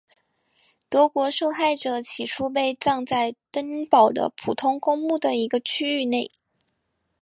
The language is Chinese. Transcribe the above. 德国受害者起初被葬在登堡的普通公墓的一个区域内。